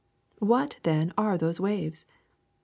What, then, are those waves?